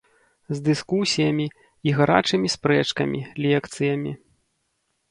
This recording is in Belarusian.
З дыскусіямі і гарачымі спрэчкамі, лекцыямі.